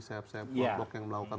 sayap sayap blok blok yang melakukan